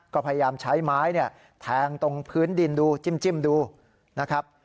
ก็พยายามใช้ไม้เนี่ยแทงตรงพื้นดินดูจิ้มดูนะครับ